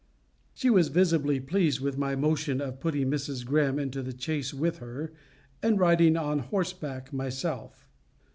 She was visibly pleased with my motion of putting Mrs. Greme into the chaise with her, and riding on horseback myself.